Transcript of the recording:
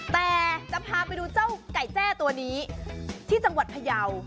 แต่จะพาไปดูเจ้าไก่แจ้ตัวนี้ที่จังหวัดพยาว